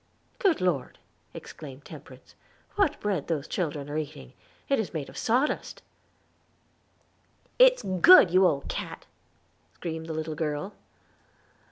"Good Lord!" exclaimed Temperance, "what bread those children are eating! It is made of sawdust." "It's good, you old cat," screamed the little girl.